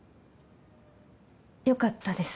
よかったです。